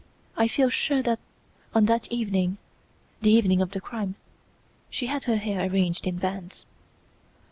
I feel sure that on that evening, the evening of the crime, she had her hair arranged in bands."